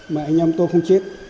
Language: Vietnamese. mà anh em tôi không chết